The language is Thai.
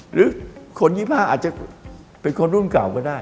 หรือคน๒๕อาจจะเป็นคนรุ่นเก่าก็ได้